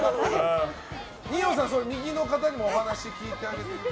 二葉さん、右の方にもお話聞いてあげて。